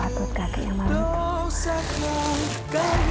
ini baju buat kakek